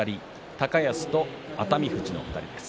高安と熱海富士の２人です。